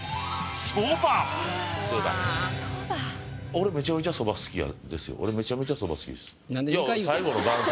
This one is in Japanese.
俺俺めちゃめちゃそば好きです。